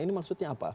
ini maksudnya apa